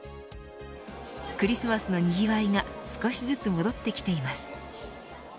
クリスマスのにぎわいが少しずつ戻ってきています。